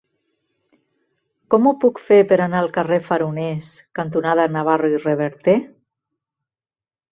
Com ho puc fer per anar al carrer Faroners cantonada Navarro i Reverter?